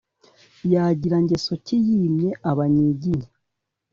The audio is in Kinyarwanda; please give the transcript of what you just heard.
yagira ngeso ki yimye abanyiginya